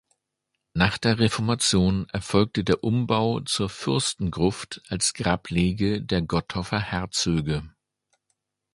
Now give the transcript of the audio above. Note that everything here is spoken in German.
Nach der Reformation erfolgte der Umbau zur "Fürstengruft" als Grablege der Gottorfer Herzöge.